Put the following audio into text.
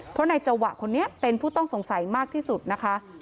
พอนายจวะคนนี้เป็นผู้ท่องสงสัยที่สุดนะคะ